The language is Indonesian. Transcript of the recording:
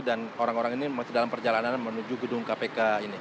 dan orang orang ini masih dalam perjalanan menuju gedung kpk ini